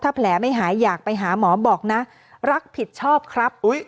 ถ้าแผลไม่หายอยากไปหาหมอบอกนะรับผิดชอบครับ